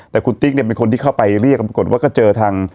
แต่คุณติ๊กเนี่ยเป็นคนที่เข้าไปเรียกปรากฏว่าก็เจอทาง